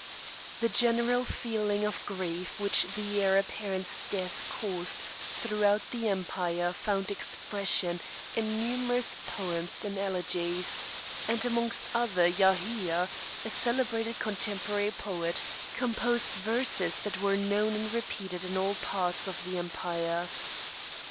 The general feeling of grief which the heir apparent's death caused throughout the empire found expression in numerous poems and elegies; and amongst others Yahïa, a celebrated contemporary poet, composed verses that were known and repeated in all parts of the empire.